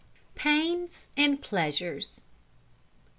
PAINS AND PLEASURES.